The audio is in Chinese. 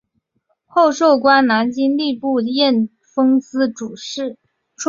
后授官南京吏部验封司主事。